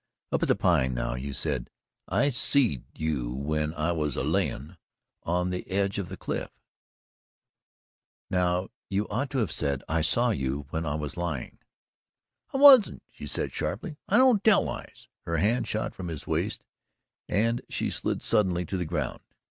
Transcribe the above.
"Up at the Pine now you said, 'I SEED you when I was A LAYIN on the edge of the cliff'; now you ought to have said, 'I SAW you when I was LYING '" "I wasn't," she said sharply, "I don't tell lies " her hand shot from his waist and she slid suddenly to the ground.